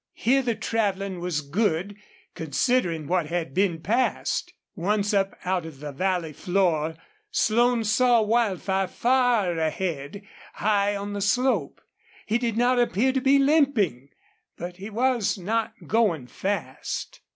Here the traveling was good, considering what had been passed. Once up out of the valley floor Slone saw Wildfire far ahead, high on the slope. He did not appear to be limping, but he was not going fast.